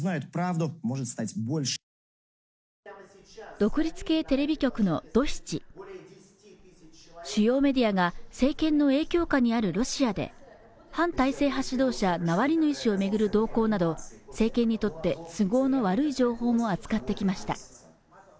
独立系テレビ局のドシチ主要メディアが政権の影響下にあるロシアで反体制派指導者ナワリヌイ氏をめぐる動向など政権にとって都合の悪い情報も扱ってきました